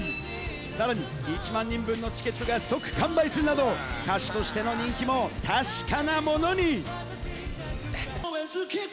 さらに１万人分のチケットが即完売するなど、歌手としての人気も確かなものに！